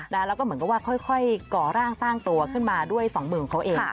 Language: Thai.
แล้วก็เหมือนกับว่าค่อยก่อร่างสร้างตัวขึ้นมาด้วยสองมือของเขาเอง